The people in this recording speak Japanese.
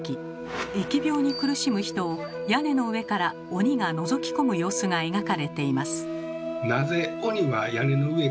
疫病に苦しむ人を屋根の上から鬼がのぞき込む様子が描かれています。